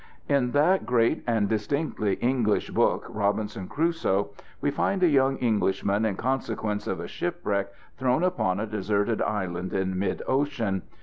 In that great and distinctly English book, Robinson Crusoe, we find a young Englishman in consequence of a shipwreck thrown upon a deserted island in midocean.